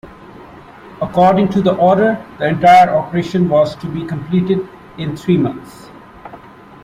According to the Order, the entire operation was to be completed in three months.